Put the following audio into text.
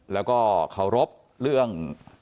แล้วก็เคารพเรื่อง